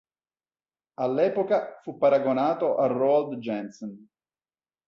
All'epoca, fu paragonato a Roald Jensen.